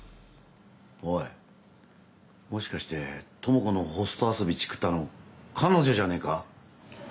おいもしかして智子のホスト遊びチクったの彼女じゃねえか？